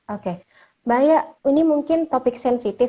oke mbak aya ini mungkin topik sensitif